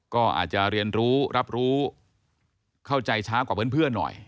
ก็อาจจะเรียนรู้รับรู้เข้าใจช้ากว่าเพื่อนหน่อย